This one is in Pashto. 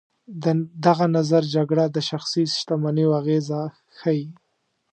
دغه نظر جګړه د شخصي شتمنیو اغېزه ښيي.